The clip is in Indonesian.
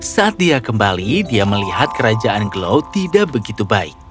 saat dia kembali dia melihat kerajaan glow tidak begitu baik